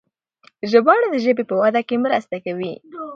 ژباړه د ژبې په وده کې مرسته کوي.